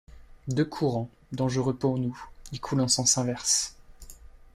Deux courants, dangereux pour nous, y coulent en sens inverse.